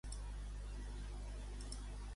Quines són les victòries de Martínez més importants?